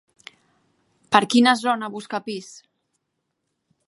Per quina zona busca pis?